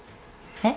えっ？